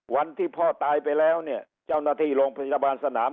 วันที่พ่อตายไปแล้วเนี่ยเจ้าหน้าที่โรงพยาบาลสนาม